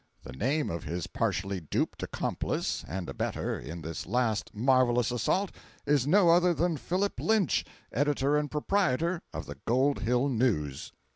The name of his partially duped accomplice and abettor in this last marvelous assault, is no other than PHILIP LYNCH, Editor and Proprietor of the Gold Hill News.